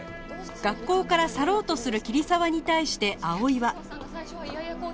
学校から去ろうとする桐沢に対して葵は